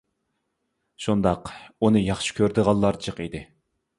-شۇنداق، ئۇنى ياخشى كۆرىدىغانلار جىق ئىدى.